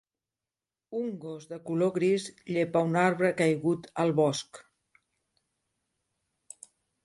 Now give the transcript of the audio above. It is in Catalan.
Un gos de color gris llepa un arbre caigut al bosc